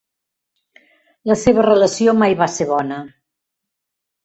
La seva relació mai va ser bona.